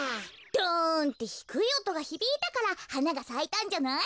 ドンってひくいおとがひびいたからはながさいたんじゃない？